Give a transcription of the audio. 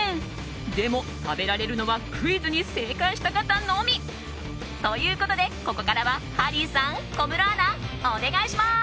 でも、食べられるのはクイズに正解した方のみ。ということでここからはハリーさん、小室アナお願いします！